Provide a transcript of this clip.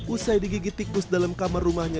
usai digigit tikus dalam kamar rumahnya